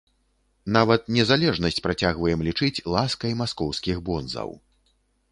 Нават незалежнасць працягваем лічыць ласкай маскоўскіх бонзаў.